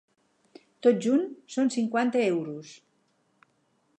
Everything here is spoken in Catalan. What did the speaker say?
Tot junt, són cinquanta euros.